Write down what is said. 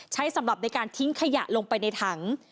สำหรับในการทิ้งขยะลงไปในถัง